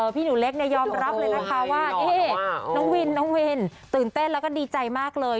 พี่หนูเล็กยอมรับเลยนะคะว่านี่น้องวินน้องวินตื่นเต้นแล้วก็ดีใจมากเลย